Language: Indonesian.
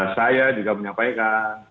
saya juga menyampaikan